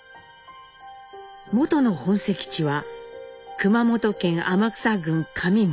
もとの本籍地は熊本県天草郡上村。